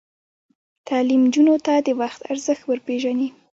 تعلیم نجونو ته د وخت ارزښت ور پېژني.